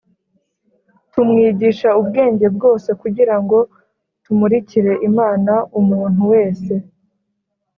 tumwigisha ubwenge bwose kugira ngo tumurikire Imana umuntu wese